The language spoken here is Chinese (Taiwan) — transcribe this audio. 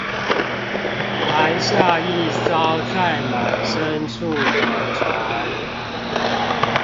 攔下一艘載滿牲畜的船